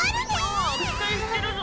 おう期待してるぞ。